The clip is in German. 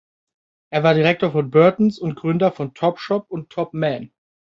Er war Direktor von "Burtons" und Gründer von "Top Shop" und "Top Man".